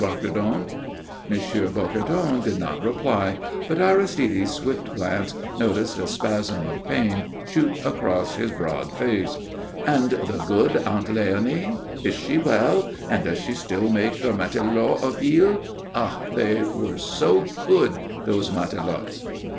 Bocardon." M. Bocardon did not reply, but Aristide's swift glance noticed a spasm of pain shoot across his broad face. "And the good Aunt Léonie? Is she well? And does she still make her matelotes of eels? Ah, they were good, those matelotes."